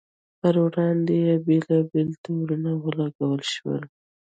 پر وړاندې یې بېلابېل تورونه ولګول شول.